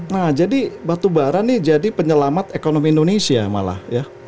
nah jadi batubara nih jadi penyelamat ekonomi indonesia malah ya